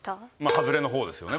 ハズレの方ですよね。